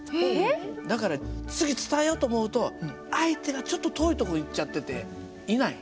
だから次伝えようと思うと相手がちょっと遠いとこ行っちゃってていない。